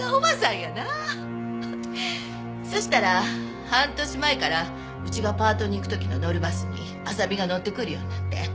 そしたら半年前からうちがパートに行く時の乗るバスに麻未が乗ってくるようになって。